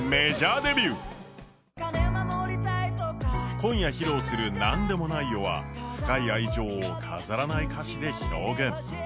今夜披露する「なんでもないよ、」は深い愛情を飾らない歌詩で表現。